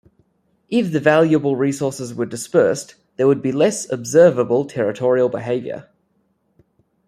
If the valuable resources were dispersed, there would be less observable territorial behaviour.